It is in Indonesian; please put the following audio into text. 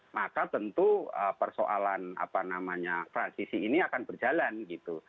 maka tentu persoalan apa namanya transisi ini akan berjalan gitu